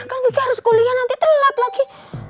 kalau kiki harus kuliah nanti terlelat lagi